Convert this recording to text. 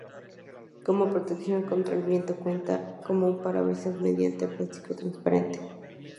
Como protección contra el viento cuenta con un parabrisas mediano de plástico transparente.